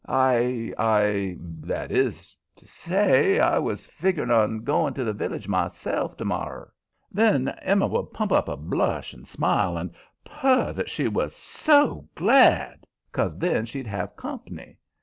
I I that is to say, I was figgering on goin' to the village myself to morrer." Then Emma would pump up a blush, and smile, and purr that she was SO glad, 'cause then she'd have comp'ny.